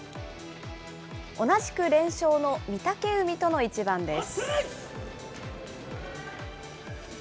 同じく連勝の御嶽海との一番です。